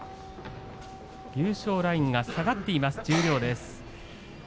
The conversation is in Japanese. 優勝ラインが下がっています。